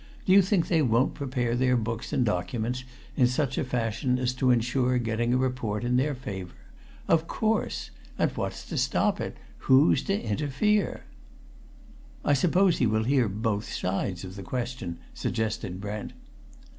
Do you think they won't prepare their books and documents in such a fashion as to ensure getting a report in their favour? Of course! And what's to stop it? Who's to interfere?" "I suppose he will hear both sides of the question?" suggested Brent.